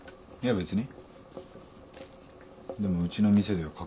別に。